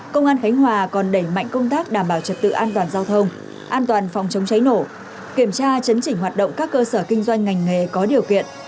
công an khánh hòa còn đẩy mạnh công tác đảm bảo trật tự an toàn giao thông an toàn phòng chống cháy nổ kiểm tra chấn chỉnh hoạt động các cơ sở kinh doanh ngành nghề có điều kiện